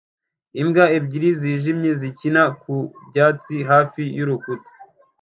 Imbwa ebyiri zijimye zikina ku byatsi hafi y'urukuta